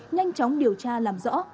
nhanh chóng điều tra làm rõ